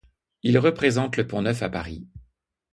Il représente le pont Neuf à Paris.